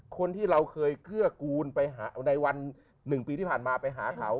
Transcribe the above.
คนที่เราเคยเกื้อกูลไปหาในวัน๑ปีที่ผ่านมาไปหาเขา